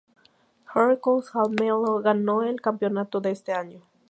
Heracles Almelo ganó el campeonato de este año.